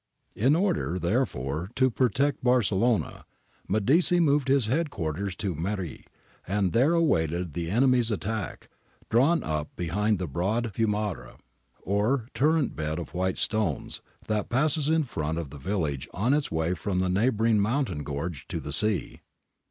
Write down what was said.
In order, therefore, to protect Barcellona, Medici moved his head quarters to Meri and there awaited the enemy's attack, drawn up behind the hxodi^ fiumar a , or torrent bed of white stones, that passes in front of the village on its way from the neighbouring mountain gorge to the sea.'